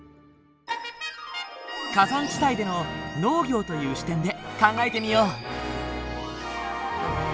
火山地帯での農業という視点で考えてみよう。